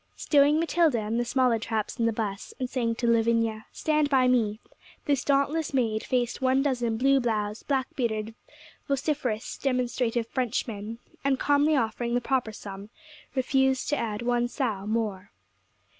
Stowing Matilda and the smaller traps in the bus, and saying to Lavinia, 'Stand by me,' this dauntless maid faced one dozen blue bloused, black bearded, vociferous, demonstrative Frenchmen; and, calmly offering the proper sum, refused to add one sou more.